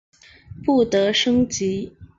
不得升级。